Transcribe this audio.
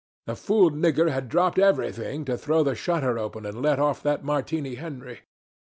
The fool nigger had dropped everything, to throw the shutter open and let off that Martini Henry.